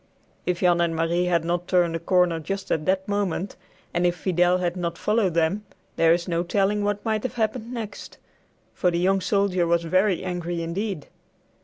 If Jan and Marie had not turned a corner just at that moment, and if Fidel had not followed them, there is no telling what might have happened next, for the young soldier was very angry indeed.